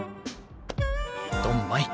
ドンマイ。